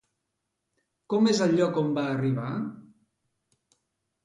Com és el lloc on va arribar?